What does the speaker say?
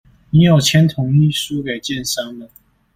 你有簽同意書給建商了